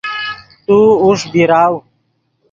تو اوݰ بیراؤ